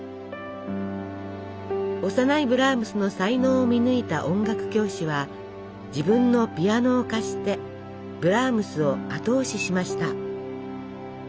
幼いブラームスの才能を見抜いた音楽教師は自分のピアノを貸してブラームスを後押ししました。